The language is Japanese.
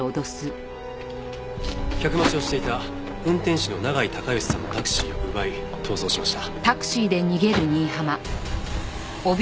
客待ちをしていた運転手の永井孝良さんのタクシーを奪い逃走しました。